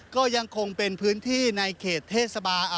ก็ยังคงเป็นพื้นที่ในเขตเทศบาล